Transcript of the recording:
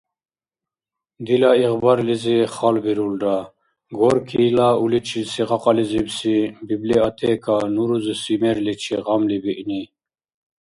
Дила игъбарлизи халбирулра Горькийла уличилси кьакьализибси библиотека ну рузуси мерличи гъамли биъни.